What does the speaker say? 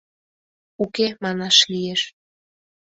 — Уке манаш лиеш.